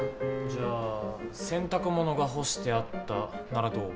じゃあ「洗濯物が干してあった」ならどう？